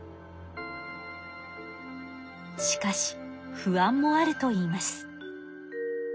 しかし不安もあるといいます。